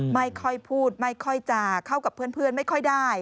ไม่ค่อยพูดไม่ค่อยจะเข้ากับเพื่อนไม่ค่อยได้